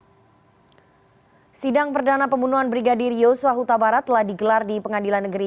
hai sidang perdana pembunuhan brigadir yosua huta barat telah digelar di pengadilan negeri